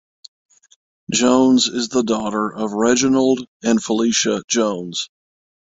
Jones is the daughter of Reginald and Felicia Jones.